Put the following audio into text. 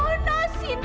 saya lagi di pengajian